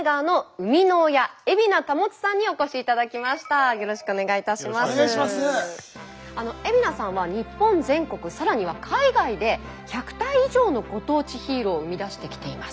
海老名さんは日本全国更には海外で１００体以上のご当地ヒーローを生み出してきています。